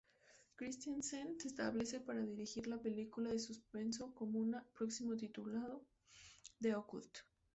Christiansen se establece para dirigir la película de suspenso comuna próximo titulado "The Occult".